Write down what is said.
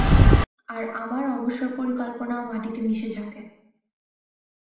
আর আমার অবসর পরিকল্পনাও মাটিতে মিশে যাবে।